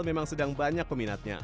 memang sedang banyak peminatnya